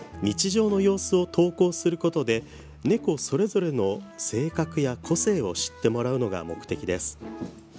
日常の様子を投稿することで猫それぞれの性格や個性を知ってもらうのが目的です。